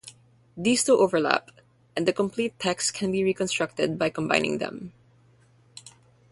These two sources overlap, and a complete text can be reconstructed by combining them.